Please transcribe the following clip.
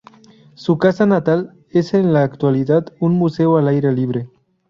Su casa natal es en la actualidad un museo al aire libre.